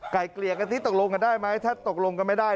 เกลี่ยกันที่ตกลงกันได้ไหมถ้าตกลงกันไม่ได้